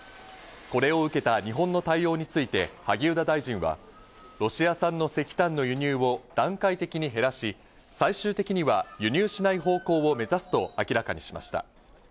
これを受けた日本の対応について萩生田大臣はロシア産の石炭の輸入を段階的に減らし、最終的には輸入しない方向を目指すと明らかにしました。